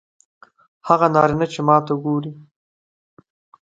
هغه نارینه چې ماته ګوري